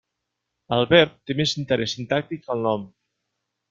El verb té més interès sintàctic que el nom.